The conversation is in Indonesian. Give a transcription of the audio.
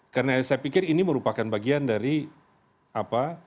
karena saya pikir ini merupakan bagian dari apa